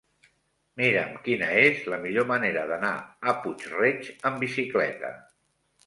Mira'm quina és la millor manera d'anar a Puig-reig amb bicicleta.